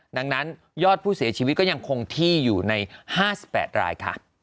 ดังนั้นยอดผู้เสียชีวิตก็ยังคงที่อยู่ใน๕๘รายค่ะ